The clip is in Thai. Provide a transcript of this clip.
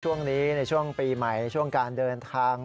ช่วงนี้ในช่วงปีใหม่ช่วงการเดินทาง